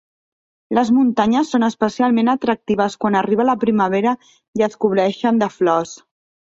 Les muntanyes són especialment atractives quan arriba la primavera i es cobreixen de flors.